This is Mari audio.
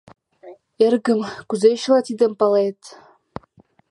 — Эргым, кузе чыла тидым палет?